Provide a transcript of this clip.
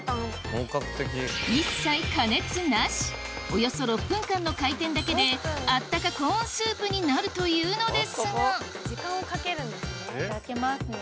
およそ６分間の回転だけであったかコーンスープになるというのですが開けますね。